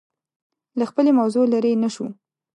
له خپلې موضوع لرې نه شو